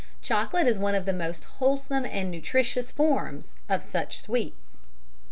Chocolate is one of the most wholesome and nutritious forms of such sweets."